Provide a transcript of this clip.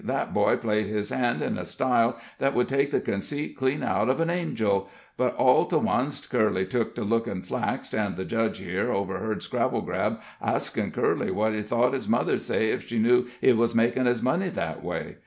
That boy played his hand in a style that would take the conceit clean out uv an angel. But all to onct Curly took to lookin' flaxed, an' the judge here overheard Scrabblegrab askin' Curly what he thort his mother'd say ef she knew he was makin' his money that way?